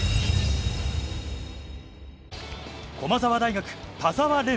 駒澤大学・田澤廉。